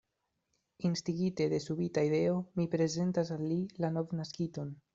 Instigite de subita ideo, mi prezentas al li la novnaskiton.